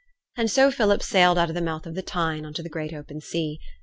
And so Philip sailed out of the mouth of the Tyne on to the great open sea.